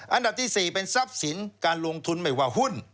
อันดับที่๔เป็นทรัพย์สินการลงทุนไม่ว่าหุ้น